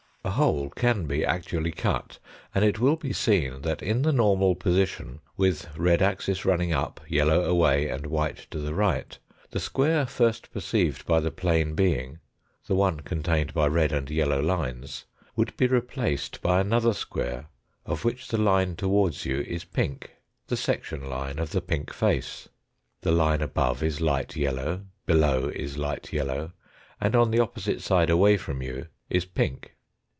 A hole can be actually cut, and it will be seen that in the normal position, with red axis running up, yellow away, and white to the right, the square first perceived by the plane being the one contained by red and yellow lines would be replaced by another square of which the line towards you is pink the section line of the pink face. The line above is light yellow, below is light yellow and on the opposite side away from you is pink.